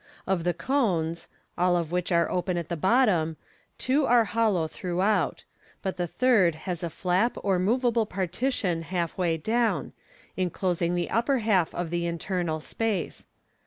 Of the cones (all of which are open at the bottom), two are hollow throughout, but the third has a flap or moveable partition half way down, inclosing the upper half of the internal space.